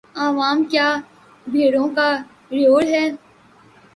عوام کیا بھیڑوں کا ریوڑ ہے؟